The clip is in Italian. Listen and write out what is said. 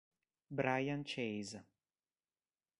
Brian Chase